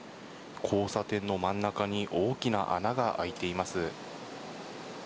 交差点の真ん中に大きな穴が開いています。